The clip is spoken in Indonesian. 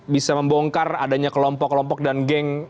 bisa membongkar adanya kelompok kelompok dan geng